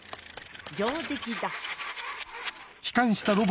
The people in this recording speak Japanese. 上出来だ。